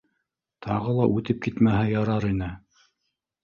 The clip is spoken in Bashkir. Тағы ла үтеп китмәһә ярар ине.